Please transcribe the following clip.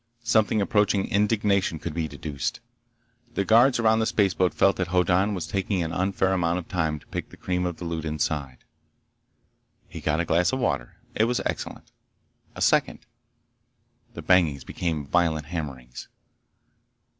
Something approaching indignation could be deduced. The guards around the spaceboat felt that Hoddan was taking an unfair amount of time to pick the cream of the loot inside. He got a glass of water. It was excellent. A second. The bangings became violent hammerings.